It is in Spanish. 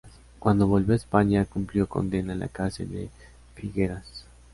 Cuando volvió a España, cumplió condena en la cárcel de Figueras.